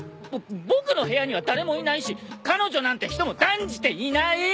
ぼ僕の部屋には誰もいないし彼女なんて人も断じていない！